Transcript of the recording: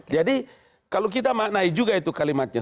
jadi kalau kita maknai juga itu kalimatnya